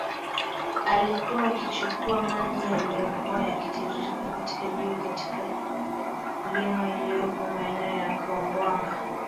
alikuwa akichukua maji yaliyokuwa yakitiririka katika jiwe katika milima iliyopo maeneo ya Kaumbwaga